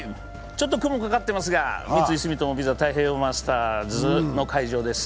ちょっと雲がかかってますが、三井住友ＶＩＳＡ太平洋マスターズの会場です。